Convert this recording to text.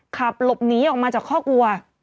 ขับหลบหนีออกมาจากข้อกลัว